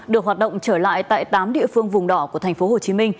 được hoạt động trở lại tại tám địa phương vùng đỏ của tp hcm